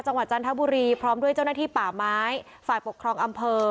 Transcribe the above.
จันทบุรีพร้อมด้วยเจ้าหน้าที่ป่าไม้ฝ่ายปกครองอำเภอ